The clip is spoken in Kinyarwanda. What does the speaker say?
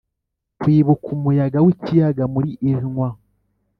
kwibuka umuyaga w'ikiyaga muri illinois,